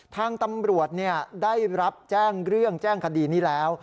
ทางตำรวจได้รับแจ้งเรื่องแจ้งคดีนี้แล้ว